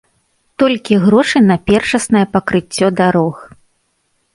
Толькі грошы на першаснае пакрыццё дарог.